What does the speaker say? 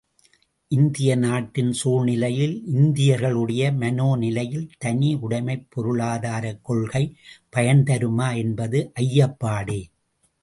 இந்திய நாட்டின் சூழ்நிலையில் இந்தியர்களுடைய மனோநிலையில் தனி உடைமைப் பொருளாதாரக் கொள்கை பயன்தருமா என்பது ஐயப்பாடே!